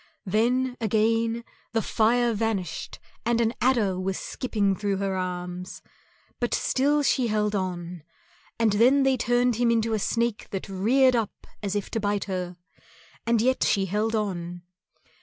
Then, again, the fire vanished and an adder was skipping through her arms, but still she held on; and then they turned him into a snake that reared up as if to bite her, and yet she held on.